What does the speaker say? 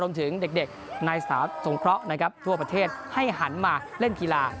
ถึงเด็กในสถานสงเคราะห์นะครับทั่วประเทศให้หันมาเล่นกีฬา